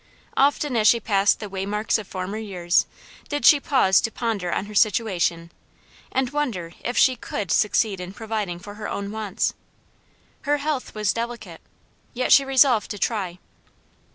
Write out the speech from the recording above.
Often as she passed the waymarks of former years did she pause to ponder on her situation, and wonder if she COULD succeed in providing for her own wants. Her health was delicate, yet she resolved to try.